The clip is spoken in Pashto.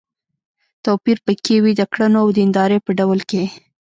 توپير په کې وي د کړنو او د دیندارۍ په ډول کې دی.